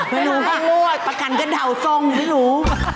ไม่รู้ประกันกับด่าวทรงไม่รู้